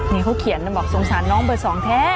นี่เขาเขียนนะบอกสงสารน้องเบอร์๒แท้